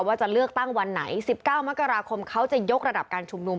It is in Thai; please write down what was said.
ว่าจะเลือกตั้งวันไหน๑๙มกราคมเขาจะยกระดับการชุมนุม